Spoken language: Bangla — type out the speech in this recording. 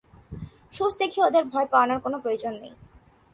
সূঁচ দেখিয়ে ওদের ভয় পাওয়ানোর কোনো প্রয়োজন নেই।